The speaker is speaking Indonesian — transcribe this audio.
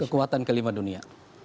kekuatan kelima dunia